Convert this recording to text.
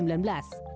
nusa dua bali